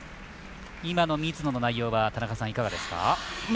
今の水野の内容は田中さん、いかがですか？